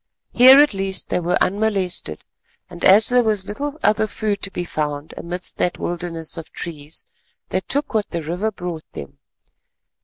Here at least they were unmolested, and as there was little other food to be found amid that wilderness of trees, they took what the river brought them.